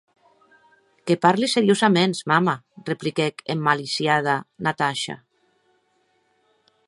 Que parli seriosaments, mama, repliquèc emmaliciada Natasha.